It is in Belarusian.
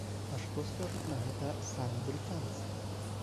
А што скажуць на гэта самі брытанцы?